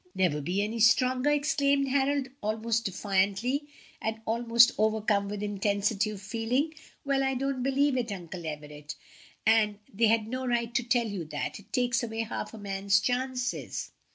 "Never be any stronger!" exclaimed Harold, almost defiantly and almost overcome with intensity of feeling. "Well, I don't believe it, Uncle Everett, and they had no right to tell you that; it takes away half a man's chances."